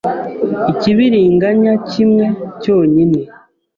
ikibiringanya kimwe cyonyine